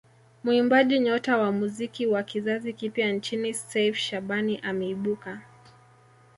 Muimbaji nyota wa muziki wa kizazi kipya nchini Seif Shabani ameibuka